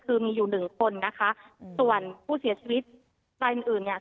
คือมีอยู่หนึ่งคนนะคะส่วนผู้เสียชีวิตรายอื่นอื่นเนี่ย